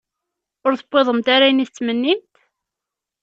Ur tewwiḍemt ara ayen i tettmennimt?